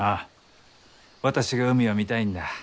私が海を見たいんだ。